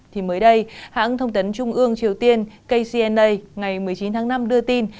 thì mới đây hãng thông tấn trung ương triều tiên kcna ngày một mươi chín tháng năm đưa tin